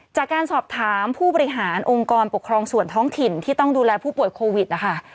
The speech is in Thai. จากการสอบถามผู้บริหารองค์กรปกครองส่วนท้องถิ่นที่ต้องดูแลผู้ป่วยโควิดนะคะ